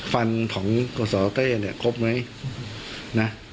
ฟันของกษัตริย์เต้นี่ครบไหม